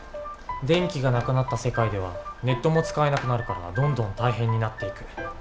電気がなくなった世界ではネットも使えなくなるからどんどん大変になっていく。